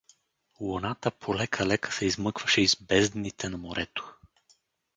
Луната полека-лека се измъкваше из бездните на морето.